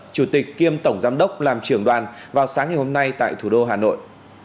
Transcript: chủ tịch kiêm tổng giám đốc làm trưởng đoàn vào sáng ngày hôm nay tại thủ đô hà nội